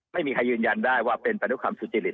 ไม่มีใครยืนยันได้ว่าเป็นไปด้วยความสุจริต